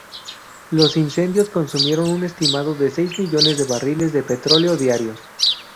Los incendios consumieron un estimado de seis millones de barriles de petróleo diarios.